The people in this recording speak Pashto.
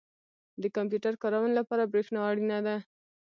• د کمپیوټر کارونې لپاره برېښنا اړینه ده.